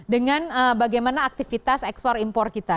dengan bagaimana aktivitas ekspor impor kita